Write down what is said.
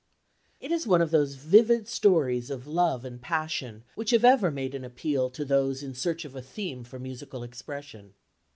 It is one of those vivid stories of love and passion which have ever made an appeal to those in search of a theme for musical expression.